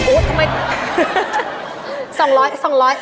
๒๐๐อุ๊ยทำไม